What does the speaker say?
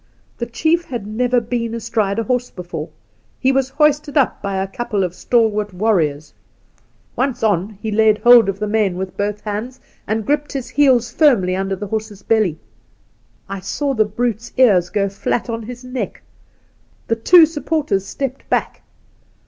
The chief had never been astride a horse before ; he was hoisted up by a couple of stalwart warriors. Once The Outspan 17 on, he laid hold of the mane with both hands, and gripped his heels firmly under the horse's belly. I saw the brute's ears go flat on his neck. The two supporters stepped back.